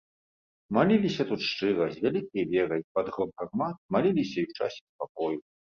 Маліліся тут шчыра, з вялікай верай, пад гром гармат, маліліся і ў часе спакою.